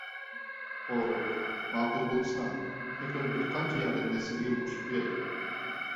خوپ، ماقۇل بولسىلا، پېقىر بىرقانچە يارەننى سىلىگە قوشۇپ قوياي.